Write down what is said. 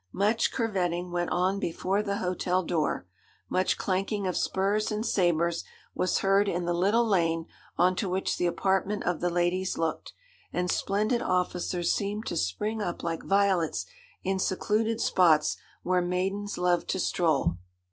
Much curvetting went on before the hotel door; much clanking of spurs and sabres was heard in the little lane on to which the apartment of the ladies looked, and splendid officers seemed to spring up like violets in secluded spots where maidens love to stroll.